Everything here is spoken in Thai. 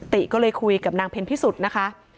ติก็เลยคุยกับนางเพ็ญพิสุทธิ์นะคะ